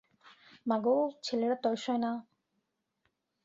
মাগো, ছেলের আর তর সয় না।